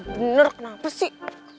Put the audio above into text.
bener kenapa sih